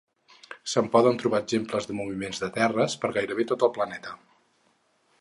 Se'n poden trobar exemples de moviments de terres per gairebé tot el planeta.